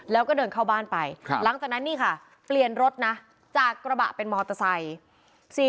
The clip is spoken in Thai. แล้วก็เดินเข้าบ้านไปหลังจากนั้นนี่ค่ะเปลี่ยนรถนะจากกระบะเป็นมอเตอร์ไซค์